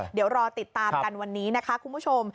เดี๋ยวรอติดตามกันวันนี้นะคะคุณผู้ชม